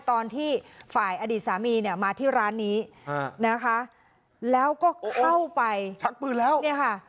ตอนที่ฝ่ายอดีตสามีเนี่ยมาที่ร้านนี้นะคะแล้วก็เข้าไปชักปืนแล้วเนี่ยค่ะ